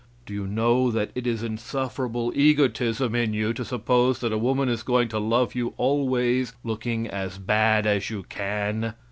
Do you know that it is insufferable egotism in you to suppose that a woman is going to love you always looking as bad as you can?